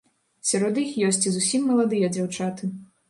Сярод іх ёсць і зусім маладыя дзяўчаты.